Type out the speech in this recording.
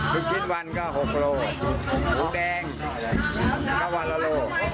ลูกชิ้นวันก็๖โลหมูแดงก็วันละโล